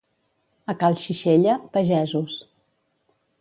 A cal Xixella, pagesos.